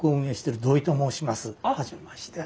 初めまして。